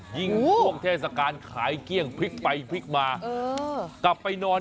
หรือท้านอะไรขัยเกี่ยวภาพไปกลิ่งมาเกิดกลับไปนอน